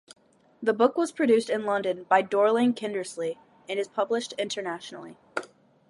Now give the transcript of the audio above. The book was produced in London by Dorling Kindersley and is published internationally.